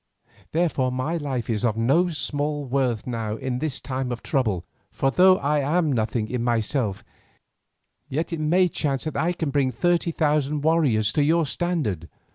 Therefore my life is of no small worth now in this time of trouble, for though I am nothing in myself, yet it may chance that I can bring thirty thousand warriors to your standard.